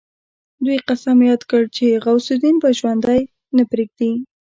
دوی قسم ياد کړ چې غوث الدين به ژوندی نه پريږدي.